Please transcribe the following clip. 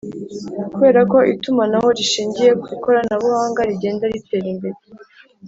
kubera ko itumanaho rishingiye ku ikoranabuhanga rigenda ritera imbere